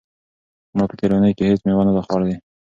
ما په تېره اونۍ کې هیڅ مېوه نه ده خوړلې.